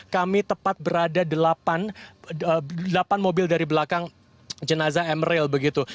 kami tepat berada delapan mobil dari belakang jenazah emeril begitu